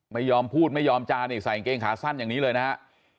ไม่ยอมพูดไม่ยอมจานี่ใส่กางเกงขาสั้นอย่างนี้เลยนะฮะ